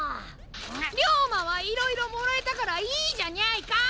龍馬はいろいろもらえたからいいじゃニャいか！